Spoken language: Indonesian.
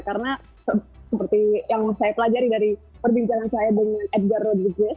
karena seperti yang saya pelajari dari perbincangan saya dengan edgar rodriguez